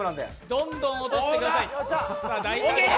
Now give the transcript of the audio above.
どんどん落としてください。